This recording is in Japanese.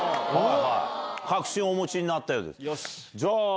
確信をお持ちになったようです。